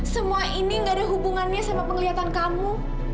semua ini gak ada hubungannya sama penglihatan kamu